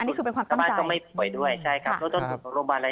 อันนี้คือเป็นความตั้งใจ